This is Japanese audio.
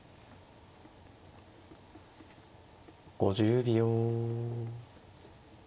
５０秒。